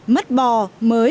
mất bò mới